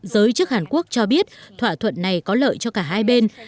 giới chức hàn quốc cho biết thỏa thuận này có lợi cho cả hai bên